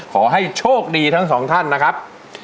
ขอให้โชคดีทั้งสองท่านนะครับ